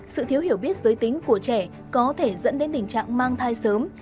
sự thiếu hiểu biết giới tính của trẻ có thể dẫn đến tình trạng mang thai sớm